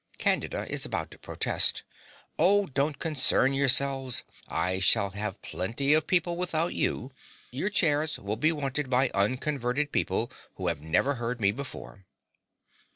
(Candida is about to protest.) Oh, don't concern yourselves: I shall have plenty of people without you: your chairs will be wanted by unconverted people who have never heard me before.